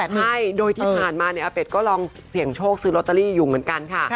ใช่โดยที่ผ่านมาเนี่ยอาเป็ดก็ลองเสี่ยงโชคซื้อลอตเตอรี่อยู่เหมือนกันค่ะ